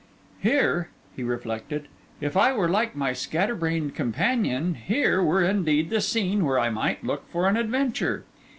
'Here,' he reflected, 'if I were like my scatter brained companion, here were indeed the scene where I might look for an adventure.